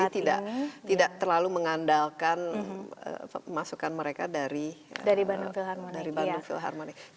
jadi tidak terlalu mengandalkan masukan mereka dari bandung philharmonic